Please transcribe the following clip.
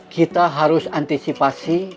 kita harus antisipasi